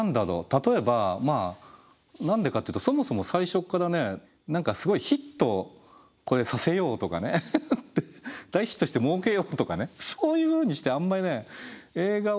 例えば何でかって言うとそもそも最初っからね何かすごいヒットこれさせようとかね大ヒットしてもうけようとかねそういうふうにしてあんまり映画を作ってないんですよね。